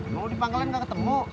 lo di panggilan gak ketemu